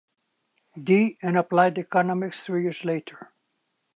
D in Applied Economics three years later.